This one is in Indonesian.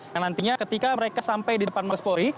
dan nantinya ketika mereka sampai di depan mabespori